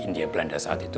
di belanda saat itu